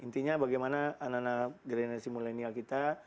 intinya bagaimana anak anak generasi milenial kita